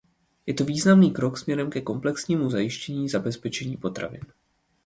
Je to významný krok směrem ke komplexnímu zajištění zabezpečení potravin.